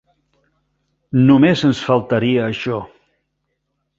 Només ens faltaria això.